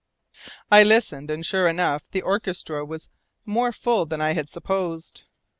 I listened, and, sure enough, the orchestra was more full than I had supposed.